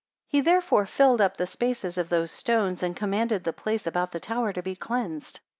88 He therefore filled up the spaces of those stones, and commanded the place about the tower to be cleansed.